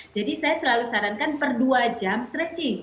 jadi saya selalu sarankan per dua jam stretching